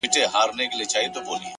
لوړ هدفونه قوي تمرکز غواړي!